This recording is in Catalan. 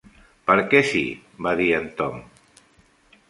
"Per què, sí", va dir en Tom.